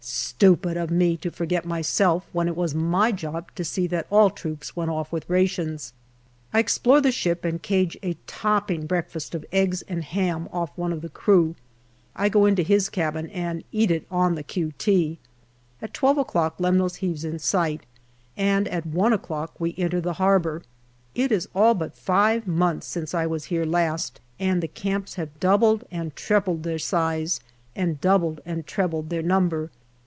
Stupid of me to forget myself, when it was my job to see that all troops went off with rations. I explore the ship and cadge a topping breakfast of eggs and ham off one of the crew. I go into his cabin and eat it on the Q.T. At twelve o'clock Lemnos heaves in sight, and at one o'clock we enter the harbour. It is all but five months since I was here last, and the camps have doubled and trebled their size, and doubled and trebled their number.